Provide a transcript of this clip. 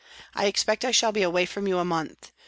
I expect I shall be away from you a month.